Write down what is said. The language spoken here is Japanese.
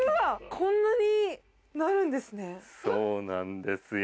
こんなになるんですね。